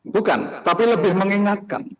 bukan tapi lebih mengingatkan